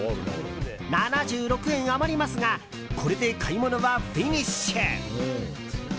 ７６円、余りますがこれで買い物はフィニッシュ。